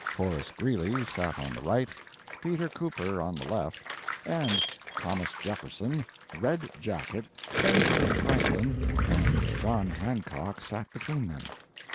Horace Greeley sat on the right, Peter Cooper on the left, and Thomas Jefferson, Red Jacket, Benjamin Franklin, and John Hancock sat between them.